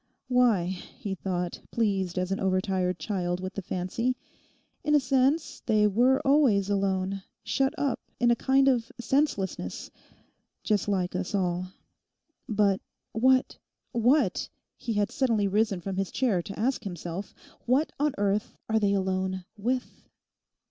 Why, he thought, pleased as an overtired child with the fancy, in a sense they were always alone, shut up in a kind of senselessness—just like us all. But what—what, he had suddenly risen from his chair to ask himself—what on earth are they alone with?